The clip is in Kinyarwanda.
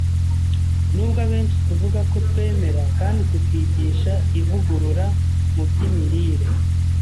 Nubwo abenshi tuvuga ko twemera kandi tukigisha ivugurura mu by’imirire